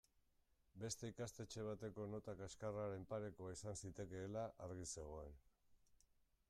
Beste ikastetxe bateko nota kaxkarraren parekoa izan zitekeela argi zegoen.